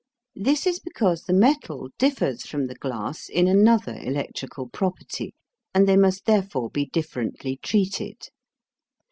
This is because the metal differs from the glass in another electrical property, and they must therefore be differently treated.